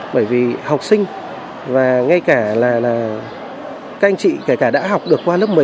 bởi vì học sinh và ngay cả là các anh chị kể cả đã học được qua lớp một mươi một